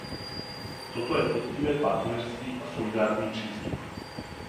Toto je poctivé partnerství a solidární přístup.